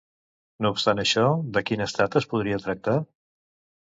No obstant això, de quin estat es podria tractar?